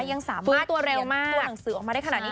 ยังสามารถเขียนตัวหนังสือออกมาได้ขนาดนี้